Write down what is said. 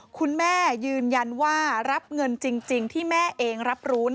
คุณแม่ยืนยันว่ารับเงินจริงที่แม่เองรับรู้